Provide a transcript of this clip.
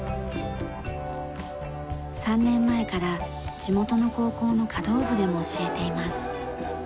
３年前から地元の高校の華道部でも教えています。